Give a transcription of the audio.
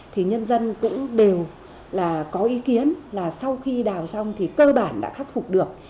thì nhân dân cũng đều là có ý kiến là sau khi đào xong thì cơ bản đã khắc phục được